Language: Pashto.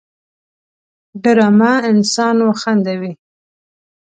ډرامه انسان وخندوي